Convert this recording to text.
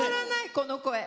この声。